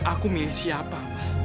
bukan aku milih siapa ma